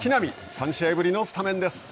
３試合ぶりのスタメンです。